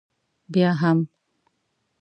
بیا هم.